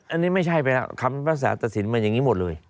อันนี้ไม่ใช่ไปแล้วคำพิพากษาตัดสินมาอย่างนี้หมดเลย